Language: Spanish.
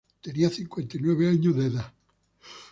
Tenía cincuenta y nueve años de edad.